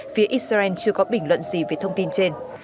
phía israel chưa có bình luận gì về thông tin trên